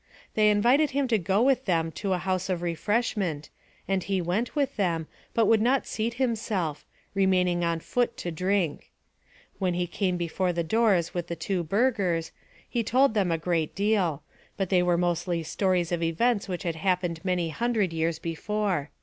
They invited him to go with them to a house of refreshment, and he went with them, but would not seat himself, remaining on foot to drink. When he came before the doors with the two burgers, he told them a great deal; but they were mostly stories of events which had happened many hundred years before.